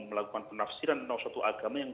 melakukan penafsiran tentang suatu agama yang